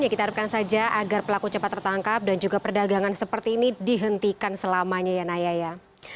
ya kita harapkan saja agar pelaku cepat tertangkap dan juga perdagangan seperti ini dihentikan selamanya ya naya ya